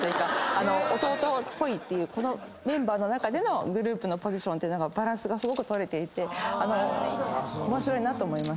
このメンバーの中でのグループのポジションってバランスがすごく取れていて面白いなと思いました。